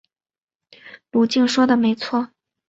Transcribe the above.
娄敬说的没错。